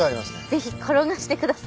ぜひ転がしてください。